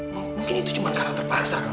mungkin itu cuma karena terpaksa kan